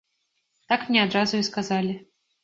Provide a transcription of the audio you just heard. Так мне адразу і сказалі.